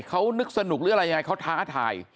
เขานึกสนุกหรืออะไรยังไงเขาท้าทาย